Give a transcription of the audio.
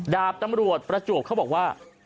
ดาบตำรวจประจวบเขาบอกว่า